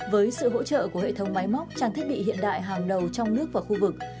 với sự hỗ trợ của hệ thống máy móc trang thiết bị hiện đại hàng đầu trong nước và khu vực